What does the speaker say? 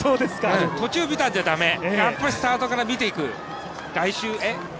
途中見たんじゃ駄目、やっぱりスタートから見ていく。